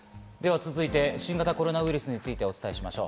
続いて新型コロナウイルスについてお伝えしていきましょう。